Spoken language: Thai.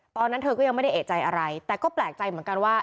ตอนนั้นเธอก็ยังไม่ได้เอกใจอะไรแต่ก็แปลกใจเหมือนกันว่า